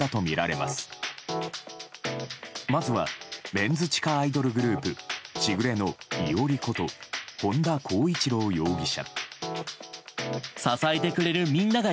まずはメンズ地下アイドルグループ時雨の伊織こと本田孝一朗容疑者。